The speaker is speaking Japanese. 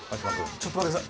ちょっと待って下さい。